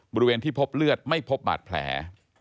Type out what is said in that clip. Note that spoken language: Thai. บริเวณที่พบเลือดไม่พบบาดแผล